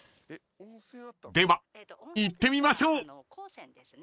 ［では行ってみましょう］